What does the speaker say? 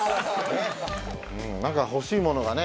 何か欲しいものがね